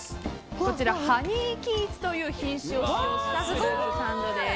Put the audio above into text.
こちら、ハニーキーツという品種を使用したフルーツサンドです。